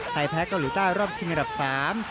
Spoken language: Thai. ไทยแพ้เกาหลุดต้ารอบชิงกระดับ๓